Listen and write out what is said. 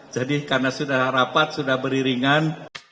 jadi karena sudah rapat sudah beriringan